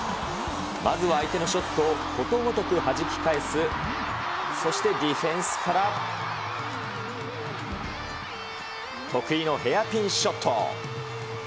まずは相手のショットをことごとくはじき返す、そしてディフェンスから、得意のヘアピンショット。